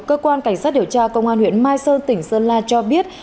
cơ quan cảnh sát điều tra công an huyện mai sơn tỉnh sơn la cho biết